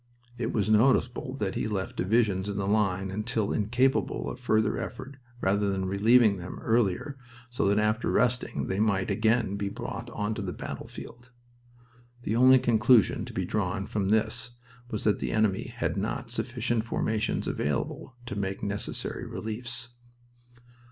It was noticeable that he left divisions in the line until incapable of further effort rather than relieving them earlier so that after resting they might again be brought on to the battlefield. The only conclusion to be drawn from this was that the enemy had not sufficient formations available to make the necessary reliefs.